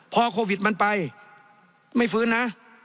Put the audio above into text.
พอโควิดมันไปไม่ฟื้นนะ